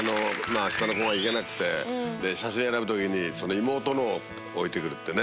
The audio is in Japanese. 下のコが行けなくて写真選ぶ時に妹のを置いて来るってね。